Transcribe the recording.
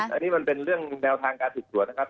อันนี้มันเป็นเรื่องแนวทางการสืบสวนนะครับ